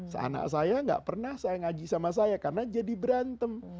seanak saya nggak pernah saya ngaji sama saya karena jadi berantem